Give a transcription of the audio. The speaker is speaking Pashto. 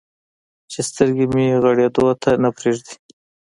چې سترګې مې غړېدو ته نه پرېږدي.